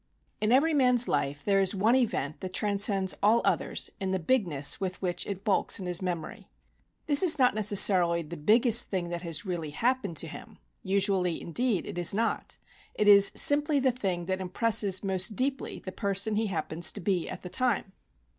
In every man's life there is one event that transcends all others in the bigness with which it bulks in his memory. This is not necessarily the biggest thing that has really happened to him. Usually, indeed, it is not. It is simply the thing that impresses most deeply the person he happens to be at the time.